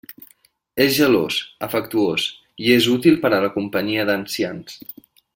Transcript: És gelós, afectuós i és útil per a la companyia d'ancians.